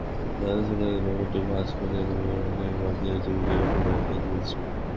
তাহার সেলাইয়ের ব্যাপারটি ভাঁজ করিয়া রুমালে বাঁধিয়া টেবিলের উপরে রাখিয়া দিয়াছিল।